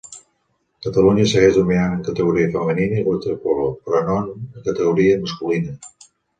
Catalunya segueix dominant en categoria femenina i waterpolo però no en categoria masculina.